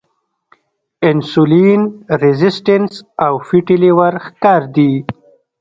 انسولین ريزسټنس او فېټي لیور ښکار دي -